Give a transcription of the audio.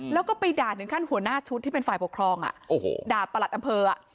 แล้วก็ไปด่าถึงขั้นหัวหน้าชุดที่เป็นฝ่ายปกครองด่าประหลัดอำเภอ